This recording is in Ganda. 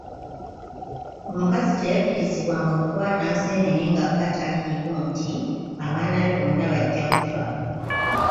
Omukazi teyakkirizibwanga kukwata nseenene nga bba taliiwo nti abaana be bonna bajja kufa.